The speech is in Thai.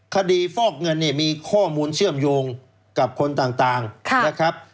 ฟอกเงินเนี่ยมีข้อมูลเชื่อมโยงกับคนต่างนะครับ